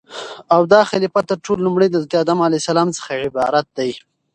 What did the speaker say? او داخليفه تر ټولو لومړى دحضرت ادم عليه السلام څخه عبارت دى